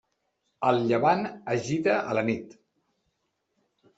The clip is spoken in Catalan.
El llevant es gita a la nit.